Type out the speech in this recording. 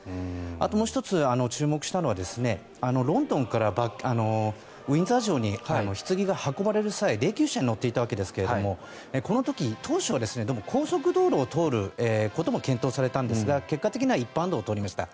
あともう１つ気になったのはロンドンからウィンザー城にひつぎが運ばれる際霊きゅう車に乗っていたわけですがこの時、当初は高速道路を通ることも検討されたんですが結果的には一般道を通りました。